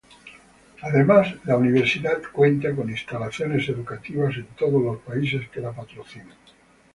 Además, la universidad cuenta con instalaciones educativas en todos los países que la patrocinan.